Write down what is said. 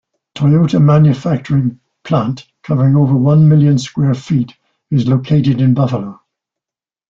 Toyota Manufacturing plant, covering over one million square feet, is located in Buffalo.